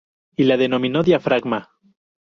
Y la denominó diafragma.